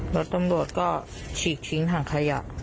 แล้วตำรวจก็ฉีกชิงหางขยะ